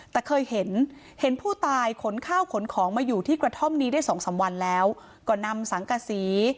แต่เคยเห็นเห็นผู้ตายขนข้าวขนของมาอยู่ที่กระท่อมนี้ได้สองสามวันแล้วก็นำสังกษี